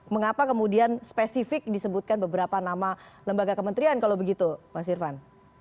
mengapa kemudian spesifik disebutkan beberapa nama lembaga kementerian kalau begitu mas irvan